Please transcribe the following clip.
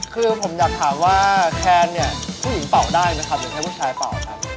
คือผมอยากถามว่าแคนเนี่ยผู้หญิงเป่าได้ไหมครับหรือแค่ผู้ชายเป่าครับ